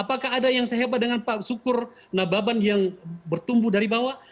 apakah ada yang sehebat dengan pak syukur nababan yang bertumbuh dari bawah